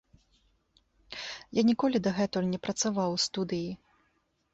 Я ніколі дагэтуль не працаваў у студыі.